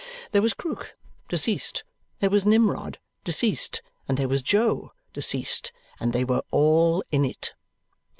There was Krook, deceased; there was Nimrod, deceased; and there was Jo, deceased; and they were "all in it."